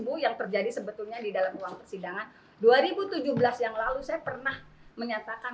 bu yang terjadi sebetulnya di dalam ruang persidangan dua ribu tujuh belas yang lalu saya pernah menyatakan